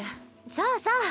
そうそう。